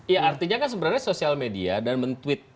ya artinya kan sebenarnya sosial media dan men tweet